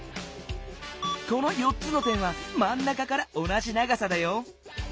この４つの点はまんなかから同じ長さだよ。